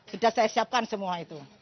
sudah saya siapkan semua itu